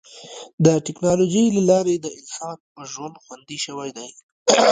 د ټکنالوجۍ له لارې د انسان ژوند خوندي شوی دی.